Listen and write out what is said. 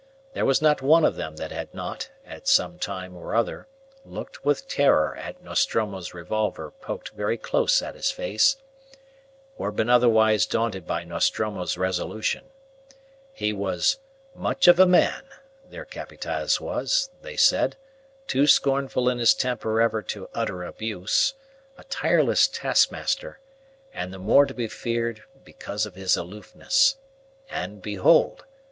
There was not one of them that had not, at some time or other, looked with terror at Nostromo's revolver poked very close at his face, or been otherwise daunted by Nostromo's resolution. He was "much of a man," their Capataz was, they said, too scornful in his temper ever to utter abuse, a tireless taskmaster, and the more to be feared because of his aloofness. And behold!